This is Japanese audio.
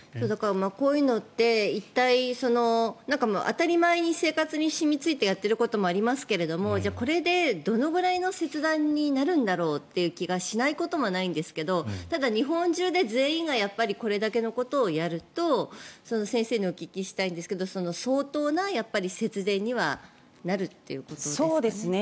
こういうのって一体当たり前に生活に染みついてやっていることもありますけどこれでどれぐらいの節電になるんだろうという気がしないこともないんですけどただ、日本中で全員がこれだけのことをやると先生にお聞きしたいんですけど相当な節電にはなるということですかね。